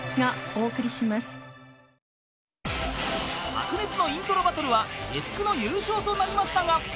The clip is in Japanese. ［白熱のイントロバトルは月９の優勝となりましたが］